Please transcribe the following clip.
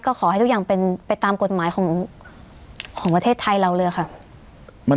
ก็ขอให้ทุกอย่างเป็นไปตามกฎหมายของประเทศไทยเราเลยค่ะ